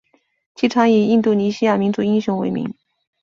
机场以印度尼西亚民族英雄为名。